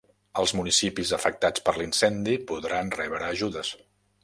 Els municipis afectats per l'incendi podran rebre ajudes